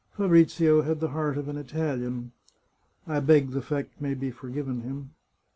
Fabrizio had the heart of an Italian. I beg the fact may be forgiven him.